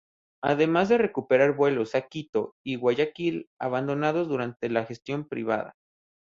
Además de recuperar vuelos a Quito y Guayaquil, abandonados durante la gestión privada.